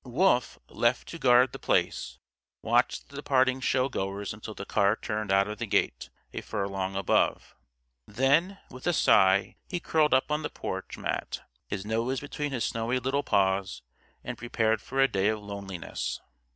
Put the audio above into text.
Wolf, left to guard The Place, watched the departing show goers until the car turned out of the gate, a furlong above. Then, with a sigh, he curled up on the porch mat, his nose between his snowy little paws, and prepared for a day of loneliness.